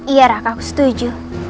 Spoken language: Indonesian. iya raka aku setuju